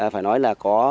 phải nói là có